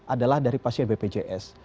adalah dari pasien bpjs